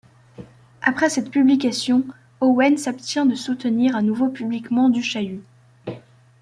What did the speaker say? Après cette publication, Owen s'abstient de soutenir à nouveau publiquement Du Chaillu.